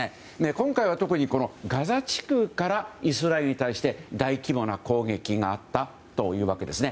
今回は特にガザ地区からイスラエルに対して大規模な攻撃があったというわけですね。